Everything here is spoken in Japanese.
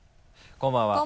こんばんは。